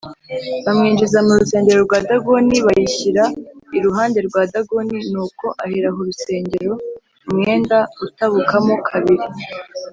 Bamwinjiza mu rusengero rwa Dagoni bayishyira iruhande rwa Dagoni ni uko ahera h’urusengero umwenda utabukamo kabiri